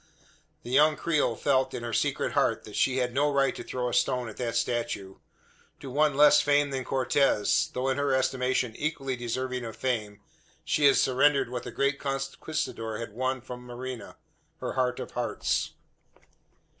The young creole felt, in her secret heart, that she had no right to throw a stone at that statue. To one less famed than Cortez though in her estimation equally deserving of fame she had surrendered what the great conquistador had won from Marina her heart of hearts.